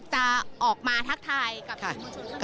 จะออกมาทักทายกับทุกคนค่ะ